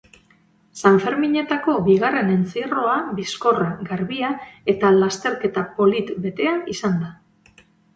Sanferminetako bigarren entzierroa bizkorra, garbia eta lasterketa polit betea izan da.